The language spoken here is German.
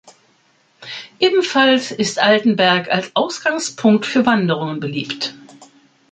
Ebenfalls ist Altenberg als Ausgangspunkt für Wanderungen beliebt.